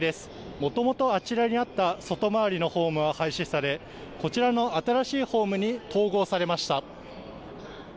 もともとあちらにあった外回りのホームは廃止されこちらの新しいホームに統合されました。